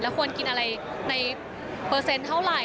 ควรกินอะไรในเปอร์เซ็นต์เท่าไหร่